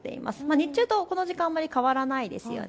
日中とこの時間あまり変わりないですよね。